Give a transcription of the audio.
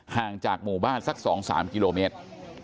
ห่างจากหมู่บ้านสัก๒๓กิโลเมตร